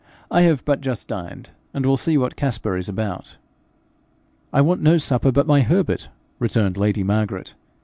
'I have but just dined, and will see what Caspar is about.' 'I want no supper but my Herbert,' returned lady Margaret.